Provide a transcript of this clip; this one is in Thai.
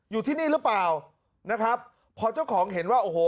อยู่ที่นี่หรือเปล่านะครับพอเจ้าของเห็นว่าโอ้โห